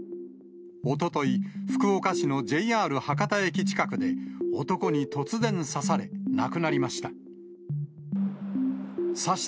おととい、福岡市のＪＲ博多駅近くで、男に突然刺され、亡くなりました。